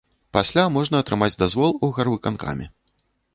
Пасля можна атрымаць дазвол у гарвыканкаме.